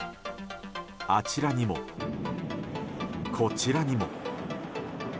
あちらにも、こちらにも。